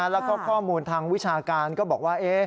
แล้วก็ข้อมูลทางวิชาการก็บอกว่า